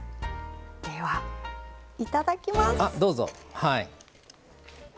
では、いただきます。